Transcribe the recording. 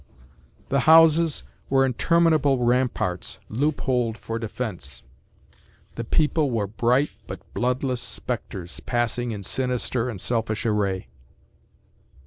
The houses were interminable ramparts loopholed for defense; the people were bright but bloodless spectres passing in sinister and selfish array.